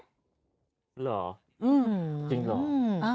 เหรอจริงเหรอ